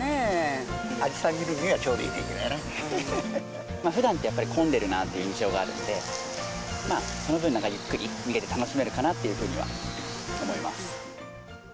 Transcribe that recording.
見るにはちょうどいふだんってやっぱり混んでるなという印象があるので、その分、なんかゆっくり見れる、楽しめるかなというふうには思います。